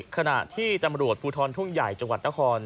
ขณะที่จังหมาฤวร์ปูทรถุงใหญ่จวัตรละคร